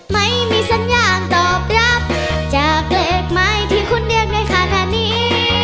ไม่มีสัญญาณตอบรับจากเล็กไม้ที่คุณเรียกไงคะท่านนี้